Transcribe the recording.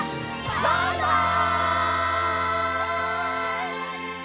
バイバイ！